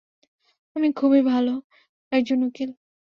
আমি খুবই ভালো একজন উকিল।